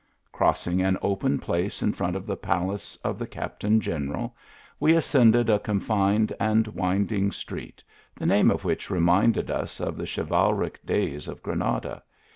Crossing an open place in front of the palace of the captain general, we ascended a confined and winding street, the name of which reminded us of the chivalric days of Granada.